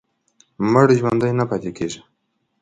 مړ ژوندی نه پاتې کېږي.